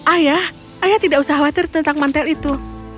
ayah ayah tidak usah khawatir tentang mantel itu